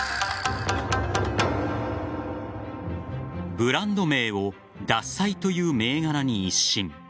ブランド名を獺祭という銘柄に一新。